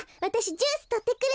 ジュースとってくる。